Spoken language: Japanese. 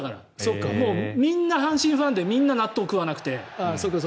みんな阪神ファンでみんな納豆を食わなくて。